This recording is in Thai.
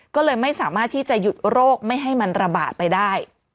ก็เลยไม่สามารถที่จะหยุดโรคไม่ให้มันระบาดไปได้